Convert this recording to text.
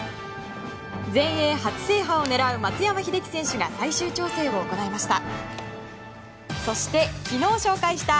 全英初制覇を狙う松山英樹選手が最終調整を行いました。